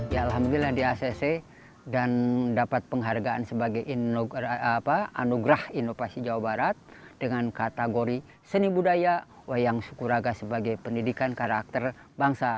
ya alhamdulillah di acc dan dapat penghargaan sebagai anugerah inovasi jawa barat dengan kategori seni budaya wayang sukuraga sebagai pendidikan karakter bangsa